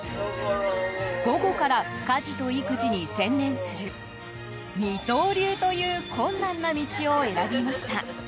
午後から家事と育児に専念する二刀流という困難な道を選びました。